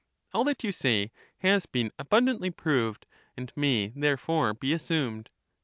All that you say has been abundantly proved, and may therefore be assumed.